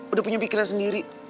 udah punya pikiran sendiri